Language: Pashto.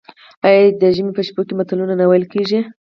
آیا د ژمي په شپو کې متلونه نه ویل کیږي؟